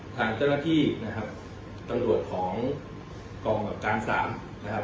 ทางเจ้าหน้าที่นะครับกรรมกรกรรมการสามนะครับ